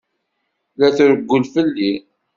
La trewwel fell-i.